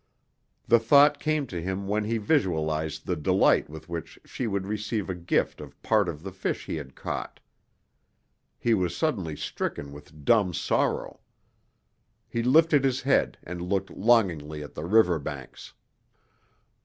The thought came to him when he visualized the delight with which she would receive a gift of part of the fish he had caught. He was suddenly stricken with dumb sorrow. He lifted his head and looked longingly at the river banks.